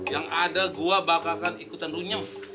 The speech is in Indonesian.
yang ada gua bakal ikutan runyam